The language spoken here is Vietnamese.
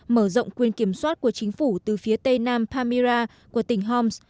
mở rộng quyền kiểm soát của chính phủ từ phía tây nam pamira của tỉnh homes